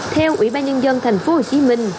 theo ủy ban nhân dân thành phố hồ chí minh